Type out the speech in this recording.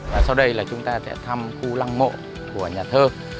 và sau đây là chúng ta sẽ thăm khu lăng mộ của nhà thơ